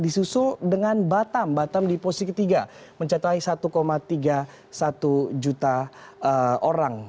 disusul dengan batam batam di posisi ketiga mencapai satu tiga puluh satu juta orang